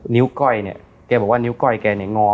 ้วก้อยเนี่ยแกบอกว่านิ้วก้อยแกเนี่ยงอ